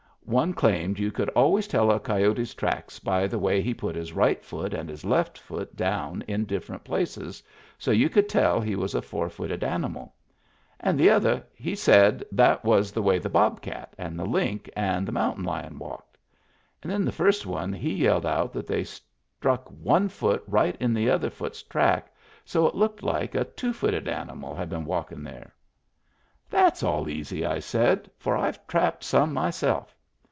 One claimed you could always tell a coyote's tracks by the way he put his right foot and his left foot down in different places, so you could tell he was a four footed animal ; and the other he said that was the way the bobcat and the link and the mountain lion walked. And then the first one he yelled out that they struck one foot right in the other foot's track, so it looked like a two footed animal had been walkin' there. " That's all easy," I said ; for I've trapped some myself.